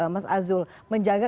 mas azul menjaga